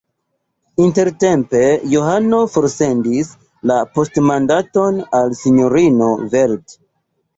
Intertempe Johano forsendis la poŝtmandaton al sinjorino Velt.